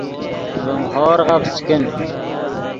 ڤیم ہورغف چے کن